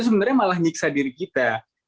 sebenarnya malah nyiksa diri kita